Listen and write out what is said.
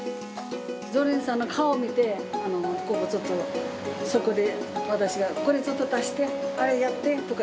常連さんの顔を見て、ちょっとそこで私が、ちょっと足して、あれやってとか。